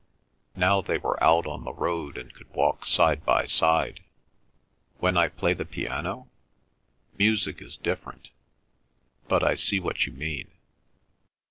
Now they were out on the road and could walk side by side. "When I play the piano? Music is different. ... But I see what you mean."